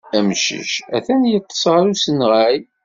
Amcic atan yeḍḍes ɣef usenɣay.